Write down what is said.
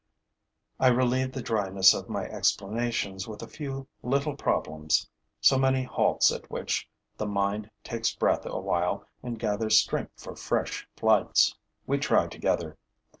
I relieve the dryness of my explanations with a few little problems, so many halts at which the mind takes breath awhile and gathers strength for fresh flights. We try together.